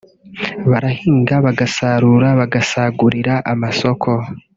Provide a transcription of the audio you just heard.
barahinga bagasarura bagasagurira amasoko